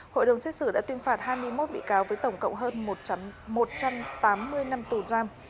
hội đồng xét xử đã tuyên phạt hai mươi một bị cáo với tổng cộng hơn một trăm tám mươi năm tù giam